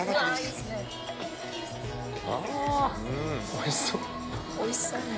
おいしそう！